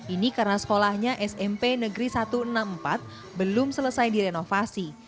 ini karena sekolahnya smp negeri satu ratus enam puluh empat belum selesai direnovasi